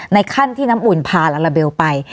ขั้นที่น้ำอุ่นพาลาลาเบลไป